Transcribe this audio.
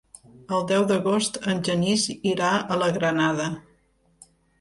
El deu d'agost en Genís irà a la Granada.